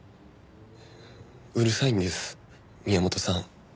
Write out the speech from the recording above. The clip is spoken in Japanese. うるさいんです宮本さん。